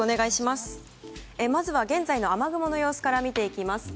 まずは現在の雨雲の様子から見ていきます。